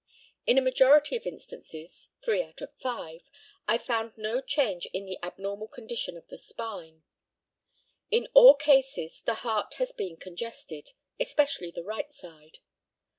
In a majority of instances, three out of five, I found no change in the abnormal condition of the spine. In all cases the heart has been congested, especially the right side.